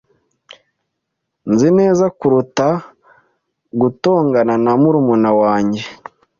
Nzi neza kuruta gutongana na murumuna wanjye.